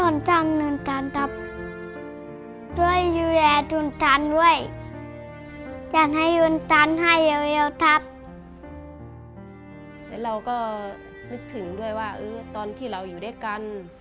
แล้วเราก็นึกถึงด้วยว่าตอนที่เราอยู่ด้วยกัน